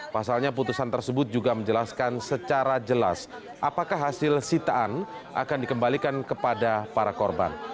pasalnya putusan tersebut juga menjelaskan secara jelas apakah hasil sitaan akan dikembalikan kepada para korban